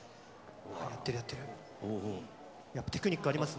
やってる、やってる。